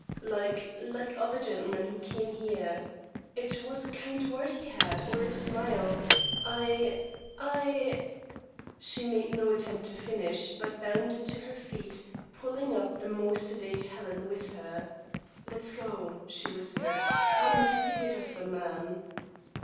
"Like like other gentlemen who came here. It was a kind word he had or a smile. I I " She made no attempt to finish but bounded to her feet, pulling up the more sedate Helen with her. "Let's go," she whispered, "I'm afeared of the man."